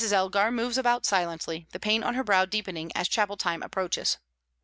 Elgar moves about silently, the pain on her brow deepening as chapel time approaches.